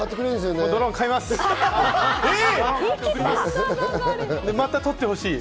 で、また撮ってほしい。